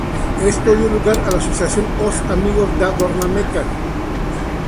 Esto dio lugar a la asociación Os Amigos da Dorna Meca.